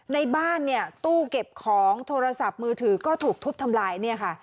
ในบ้านเนี่ยตู้เก็บของโทรศัพท์มือถือก็ถูกทุบทำลายเนี่ยค่ะ